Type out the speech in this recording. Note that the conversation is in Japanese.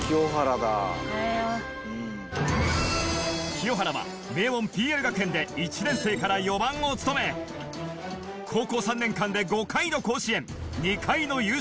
清原は名門ＰＬ学園で１年生から４番を務め高校３年間で５回の甲子園２回の優勝に貢献。